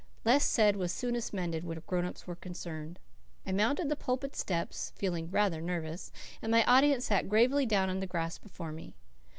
Least said was soonest mended where grown ups were concerned. I mounted the pulpit steps, feeling rather nervous, and my audience sat gravely down on the grass before me.